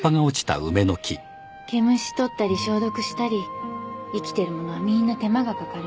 毛虫とったり消毒したり生きてるものはみんな手間が掛かるの。